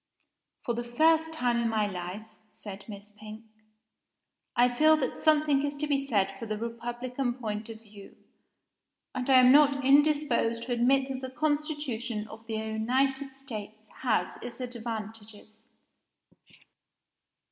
"For the first time in my life," said Miss Pink, "I feel that something is to be said for the Republican point of view; and I am not indisposed to admit that the constitution of the United States has its advantages!"